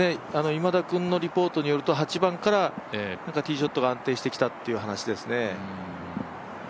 今田君のリポートによると８番からティーショットが安定してきたという話ですね。